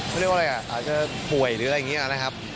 เขาเรียกว่าอะไรอ่ะอาจจะป่วยหรืออะไรอย่างนี้นะครับ